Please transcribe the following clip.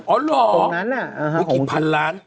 ตรงนั้นน่ะหลายพันล้าน